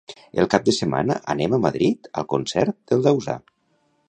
El cap de setmana anem a Madrid al concert del Dausà.